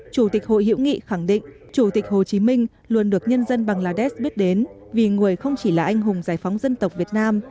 chủ tịch hội hữu nghị khẳng định chủ tịch hồ chí minh luôn được nhân dân bangladesh biết đến vì người không chỉ là anh hùng giải phóng dân tộc việt nam